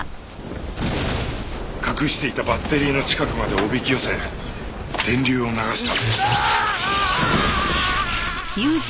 隠していたバッテリーの近くまでおびき寄せ電流を流した。